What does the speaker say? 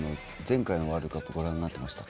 前回のワールドカップご覧になってました？